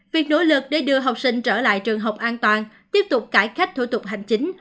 việc nỗ lực để đưa học sinh trở lại trường học an toàn tiếp tục cải cách thủ tục hành chính